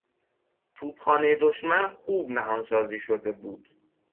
توپخانهی دشمن خوب نهانسازی شده بود.